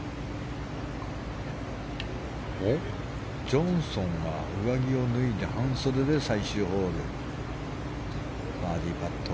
ジョンソンが上着を脱いで半袖で最終ホールバーディーパット。